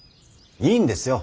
いいんですよ。